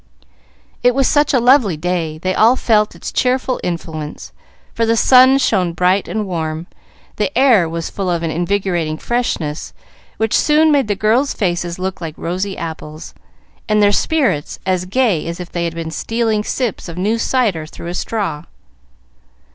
It was such a lovely day, they all felt its cheerful influence; for the sun shone bright and warm, the air was full of an invigorating freshness which soon made the girls' faces look like rosy apples, and their spirits as gay as if they had been stealing sips of new cider through a straw.